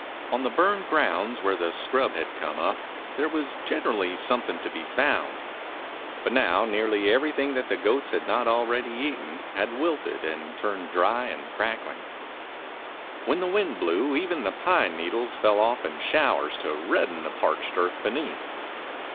On the burned grounds where the scrub had come up there was generally something to be found, 8 A DOG OF THE SIERRA NEVADAS but now nearly everything that the goats had not already eaten had wilted and turned dry and crackling. When the wind blew even the pine needles fell off in showers, to redden the parched earth beneath.